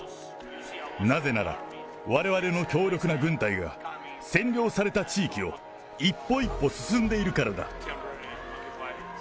なぜなら、われわれの強力な軍隊が、占領された地域を一歩一歩進んでいるからだ。